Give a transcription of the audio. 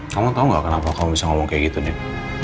kamu tau gak kenapa kamu bisa ngomong kayak gitu deh